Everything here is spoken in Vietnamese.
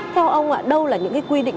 theo ông ạ đâu là những cái quy định